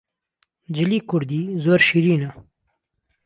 جلی کوردی زۆر شیرینە